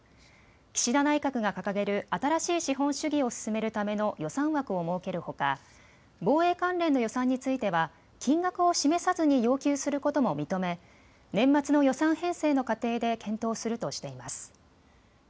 岸田内閣が掲げる新しい資本主義を進めるための予算枠を設けるほか防衛関連の予算については金額を示さずに要求することも認め、年末の予算編成の過程で検討するとしています。